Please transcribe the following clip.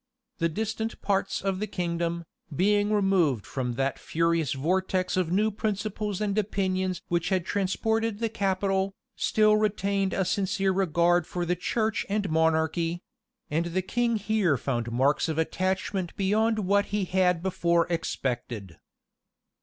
The distant parts of the kingdom, being removed from that furious vortex of new principles and opinions which had transported the capital, still retained a sincere regard for the church and monarchy; and the king here found marks of attachment beyond what he had before expected.